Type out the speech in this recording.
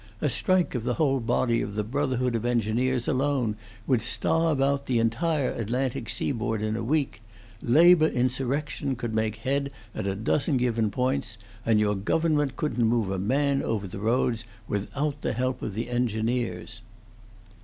A strike of the whole body of the Brotherhood of Engineers alone would starve out the entire Atlantic seaboard in a week; labor insurrection could make head at a dozen given points, and your government couldn't move a man over the roads without the help of the engineers."